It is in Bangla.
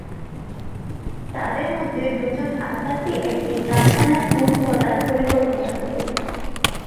তাদের মধ্যে দু’জন আত্মাকে একটি কারখানায় খুন করার পরিকল্পনা করে।